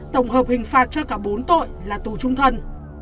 tổng hợp hình phạt cho cả bốn tội là tù trung thân